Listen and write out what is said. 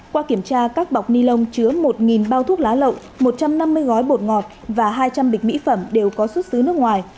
qua kiểm tra các bọc ni lông chứa một bao thuốc lá lậu một trăm năm mươi gói bột ngọt và hai trăm linh bịch mỹ phẩm đều có xuất xứ nước ngoài